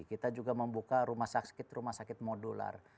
kita juga membuka rumah sakit rumah sakit modular